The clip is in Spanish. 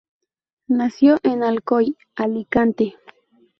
Nació en Alcoy, Alicante.